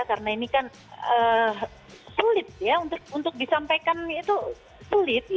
karena ini kan sulit ya untuk disampaikan itu sulit